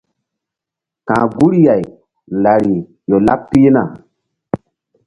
Ka̧h guri-ay lari ƴo laɓ pihna.